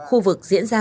khu vực diễn ra